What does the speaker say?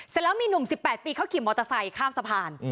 แล้วมีหนุ่ม๑๘ปีเขาขี่มอเตอร์ไซค์ข้ามสะพาน